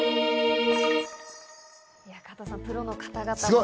加藤さん、プロの方々の。